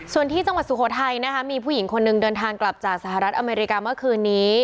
ส่วนที่จังหวัดสุโขทัยนะคะมีผู้หญิงคนหนึ่งเดินทางกลับจากสหรัฐอเมริกาเมื่อคืนนี้